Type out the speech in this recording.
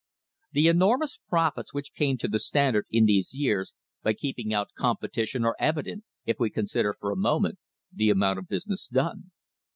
The enormous profits which came to the Standard in these ten years by keeping out competition are evident if we consider for a moment the amount of business done.